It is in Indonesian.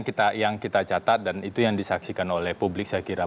itu yang kita catat dan itu yang disaksikan oleh publik saya kira